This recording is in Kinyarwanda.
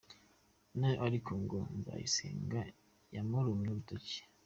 Nawe ariko ngo Nzayisenga yamurumye urutoki.